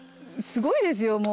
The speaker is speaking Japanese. すごいですよ